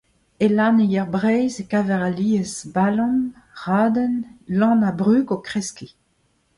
E lanneier Breizh e kaver alies balan, raden, lann ha brug o kreskiñ.